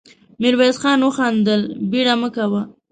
ميرويس خان وخندل: بېړه مه کوه.